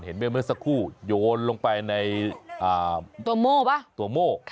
เห็นเมื่อสักครู่โยนลงไปในตัวโม่